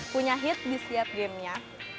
punya hit di set game nya